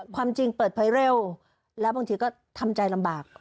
ความจริงเปิดเผยเร็วแล้วบางทีก็ทำใจลำบาก